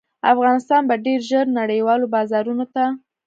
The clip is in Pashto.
افغانستان به ډیر ژر نړیوالو بازارونو ته